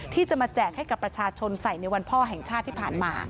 ที่จะมาแจกให้กับประชาชนใส่ในวันพ่อแห่งชาติที่ผ่านมา